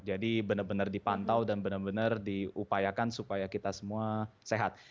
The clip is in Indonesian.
jadi benar benar dipantau dan benar benar diupayakan supaya kita semua sehat